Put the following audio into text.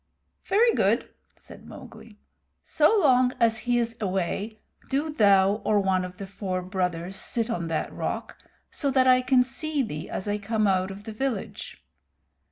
"Very good," said Mowgli. "So long as he is away do thou or one of the four brothers sit on that rock, so that I can see thee as I come out of the village.